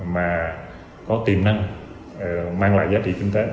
mà có tiềm năng mang lại giá trị kinh tế